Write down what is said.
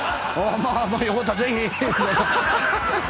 まあよかったらぜひ。